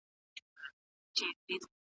هغوی ولې په پیل کې زړه توري شول؟